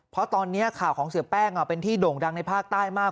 เพราะตอนนี้ข่าวของเสียแป้งเป็นที่โด่งดังในภาคใต้มาก